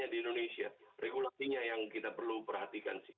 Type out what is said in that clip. dengan mudahnya untuk menjalankan usahanya di indonesia